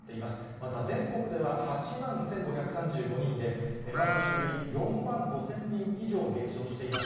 また全国では８万１５３５人で、前の週より４万５０００人以上減少しています。